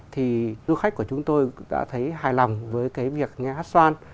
thì du khách của chúng tôi đã thấy hài lòng với cái việc nghe hát soan